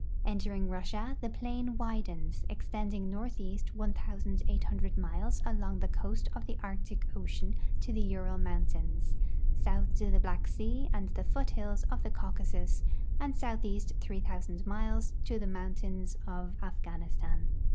Entering Russia, the plain widens, extending north east 1,800 miles along the coast of the Arctic ocean to the Ural mountains, south to the Black sea and the foothills of the Cau casus, and southeast 3,000 miles to the mountains of Afghan istan.